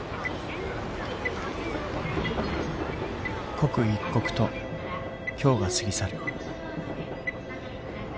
刻一刻と今日が過ぎ去る。